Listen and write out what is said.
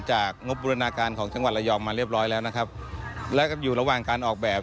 งบบูรณาการของจังหวัดระยองมาเรียบร้อยแล้วนะครับแล้วก็อยู่ระหว่างการออกแบบ